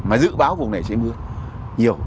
mà dự báo vùng này sẽ mưa nhiều